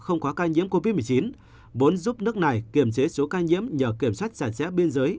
không khóa ca nhiễm covid một mươi chín vốn giúp nước này kiểm trí số ca nhiễm nhờ kiểm soát sản xét biên giới